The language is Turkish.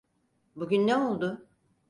Bugün ne oldu?